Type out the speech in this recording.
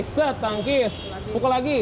setangkis pukul lagi